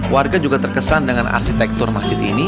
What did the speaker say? warga juga terkesan dengan arsitektur masjid ini